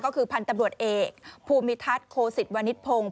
ก็คือพันธุ์ตำรวจเอกภูมิทัศน์โคสิตวนิทพงศ์